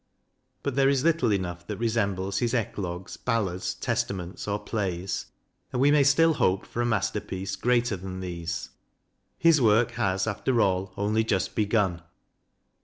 But there is little enough that resembles his eclogues, ballads, testa ments, or plays; and we may still hope for a master piece greater than these; his work has, after all, only just begun.